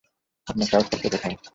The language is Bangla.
আপনার কাগজপত্র কোথায়?